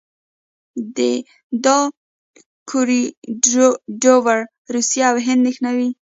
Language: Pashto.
دا کوریډور روسیه او هند نښلوي.